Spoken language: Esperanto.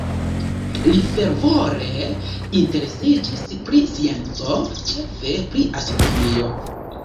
Li fervore interesiĝis pri scienco, ĉefe pri astronomio.